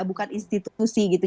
bukan institusi gitu